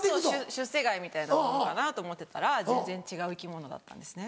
出世貝みたいなもんかなと思ってたら全然違う生き物だったんですね。